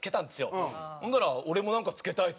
ほんなら「俺もなんか付けたい」っつってて。